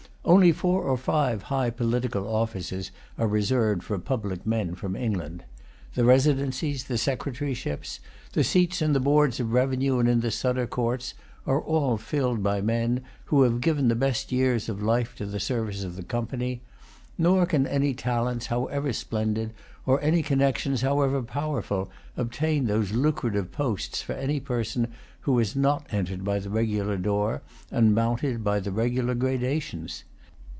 Only four or five high political offices are reserved for public men from England. The residencies, the secretaryships, the seats in the boards of revenue and in the Sudder courts are all filled by men who have given the best years of life to the service of the Company; nor can any talents however splendid or any connections however powerful obtain those lucrative posts for any person who has not entered by the regular door, and mounted by the regular gradations.